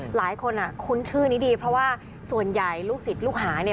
หลายคนคุ้นชื่อนี้ดีเพราะว่าส่วนใหญ่ลูกศิษย์ลูกหาเนี่ย